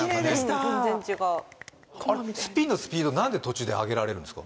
全然違うスピンのスピードなんで途中で上げられるんですか？